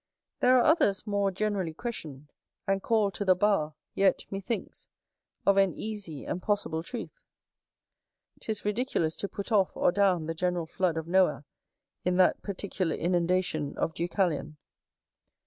There are others more generally questioned, and called to the bar, yet, methinks, of an easy and possible truth. 'Tis ridiculous to put off or down the general flood of Noah, in that particular inundation of Deucalion.